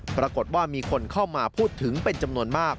ปรากฏว่ามีคนเข้ามาพูดถึงเป็นจำนวนมาก